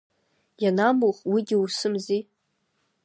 Ианамух уигьы усымзи.